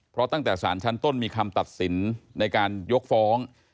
เพราะตั้งแต่สารชั้นต้นมีคำตัดสินในการยกฟ้อง